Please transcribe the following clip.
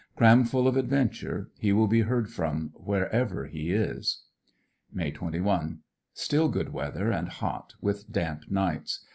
Cram full of adventure, he will be heard from wherever he is. May 21. — Still good weather and hot, with damp nights